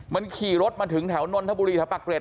มันขี่รถมาถึงแถวนนทะบูรีธปะเกรด